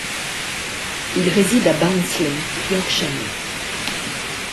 Il réside à Barnsley, Yorkshire.